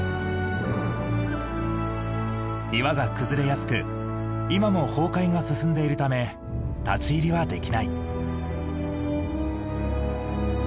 岩が崩れやすく今も崩壊が進んでいるため立ち入りはできない。